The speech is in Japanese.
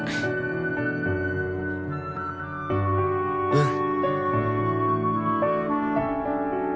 うん。